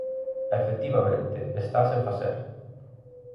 Efectivamente, está sen facer.